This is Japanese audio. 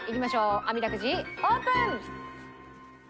あみだくじオープン！